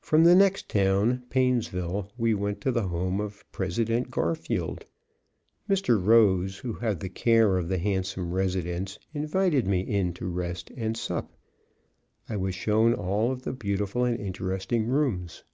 From the next town, Painesville, we went to the home of President Garfield. Mr. R , who had the care of the handsome residence, invited me in to rest, and sup. I was shown all of the beautiful and interesting rooms.